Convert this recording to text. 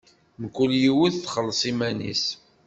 Mkul yiwet txelleṣ iman-is.